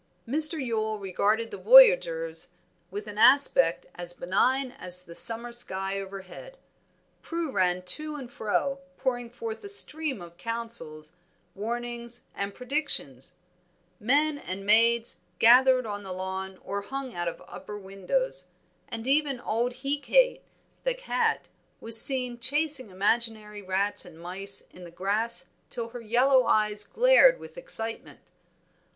Mr. Yule regarded the voyagers with an aspect as benign as the summer sky overhead; Prue ran to and fro pouring forth a stream of counsels, warnings, and predictions; men and maids gathered on the lawn or hung out of upper windows; and even old Hecate, the cat, was seen chasing imaginary rats and mice in the grass till her yellow eyes glared with excitement.